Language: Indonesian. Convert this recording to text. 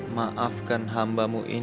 bapak ganti baju gi